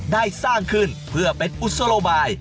ได้สร้างขึ้นเพื่อเป็นกุศโลบาย